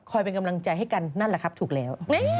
เป็นกำลังใจให้กันนั่นแหละครับถูกแล้ว